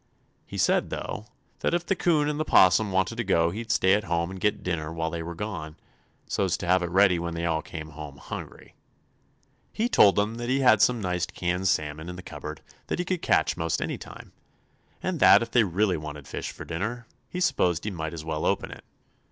He said, though, that if the 'Coon and the 'Possum wanted to go he'd stay at home and get dinner while they were gone, so's to have it ready when they all came home hungry. He told them that he had some nice canned salmon in the cupboard that he could catch most any time, and that if they really wanted fish for dinner he s'posed he might as well open it.